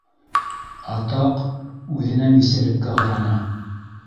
Атаҡ, үҙенә бисәлеккә һораны!